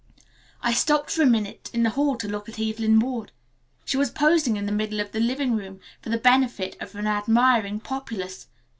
"I stopped for a minute in the hall to look at Evelyn Ward. She was posing in the middle of the living room for the benefit of an admiring populace.